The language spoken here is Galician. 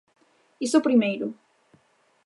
Iso primeiro.